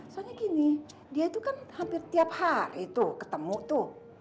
soalnya gini dia itu kan hampir tiap hari ketemu